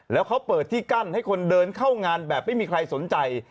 แล้วเขาเปิดที่กั้นให้คนเดินเข้างานแบบไม่มีใครสนใจ